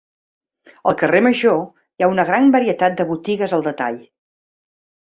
Al carrer Major hi ha una gran varietat de botigues al detall.